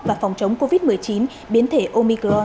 và phòng chống covid một mươi chín biến thể omicro